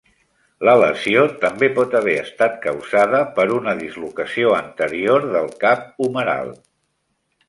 La lesió també pot haver estat causada per una dislocació anterior del cap humeral.